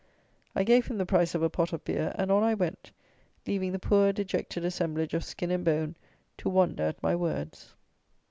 I gave him the price of a pot of beer, and on I went, leaving the poor dejected assemblage of skin and bone to wonder at my words.